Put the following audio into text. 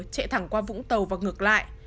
chạy thẳng qua vũng tàu và ngược lại